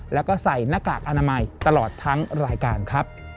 แล้วก็ใส่หน้ากากอนามัยตลอดทั้งรายการครับ